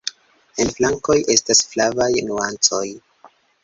En flankoj estas flavaj nuancoj.